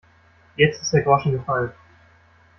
Jetzt ist der Groschen gefallen.